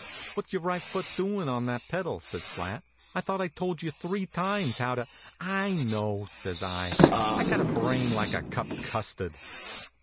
" What s your right foot doing on that HONK, HONK! pedal? " says Slat. " I thought I told you three times how to "" I know," says I. " I ve got a brain like a cup custard."